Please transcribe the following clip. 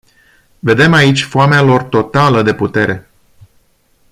Vedem aici foamea lor totală de putere.